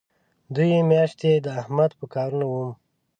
دوې میاشتې د احمد په کارونو وم.